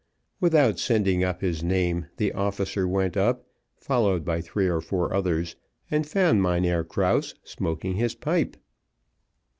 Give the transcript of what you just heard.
Without sending up his name, the officer went up, followed by three or four others, and found Mynheer Krause smoking his pipe.